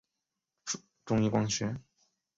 中一光学。